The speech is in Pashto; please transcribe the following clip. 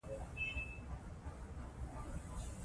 مزارشریف د افغانستان په هره برخه کې په اسانۍ موندل کېږي.